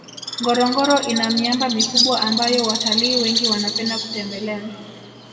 ngorongoro ina miamba mikubwa ambayo watalii wengi wanapenda kutembelea